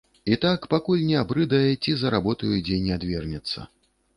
І так, пакуль не абрыдае ці за работаю дзе не адвернецца.